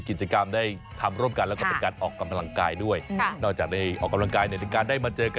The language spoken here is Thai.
เต้นตั้งแต่งานเริ่มงานจบยังไม่หยุดเลยนะ